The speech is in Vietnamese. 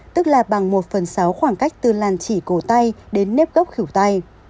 tức là bằng một phần sáu khoảng cách từ làn chỉ cổ tay đến nếp gốc khửu tay